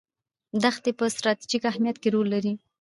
دښتې په ستراتیژیک اهمیت کې رول لري.